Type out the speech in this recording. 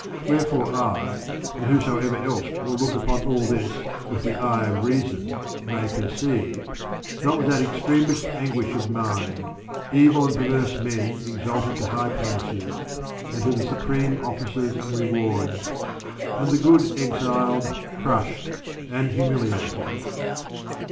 Wherefore I, and whosoever else will look upon all this with the eye of reason, may perceive, not without extremest anguish of mind, evil and perverse men exalted to high places and to the supreme offices and rewards, and the good exiled, crushed and humiliated.